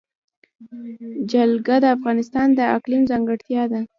جلګه د افغانستان د اقلیم ځانګړتیا ده.